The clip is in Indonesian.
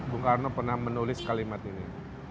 bung karno pernah menulis kalimat ini